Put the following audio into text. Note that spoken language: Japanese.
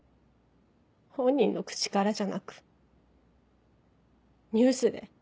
本人の口からじゃなくニュースで。